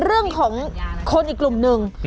เรื่องของคนอีกกลุ่มหนึ่ง